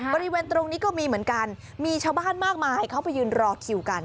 บริเวณตรงนี้ก็มีเหมือนกันมีชาวบ้านมากมายเขาไปยืนรอคิวกัน